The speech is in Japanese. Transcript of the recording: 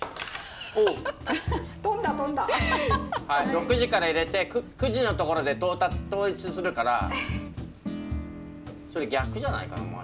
はい６時から入れて９時のところで統一するからそれ逆じゃないかな？